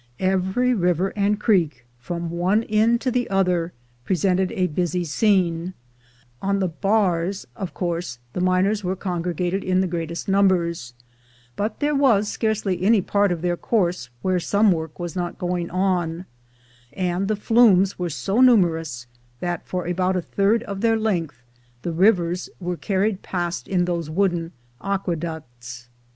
Every river and creek from one end to the other presented 227 228 THE GOLD HUNTERS a busy scene; on the '"bars," of course, the miners were congregated in the greatest numbers; but there was scarcely any part of their course where some work was not going on, and the flumes were so numerous, that for about one third of their length the rivers were carried past in those wooden aqueducts.